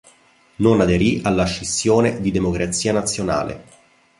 Non aderì alla scissione di Democrazia Nazionale.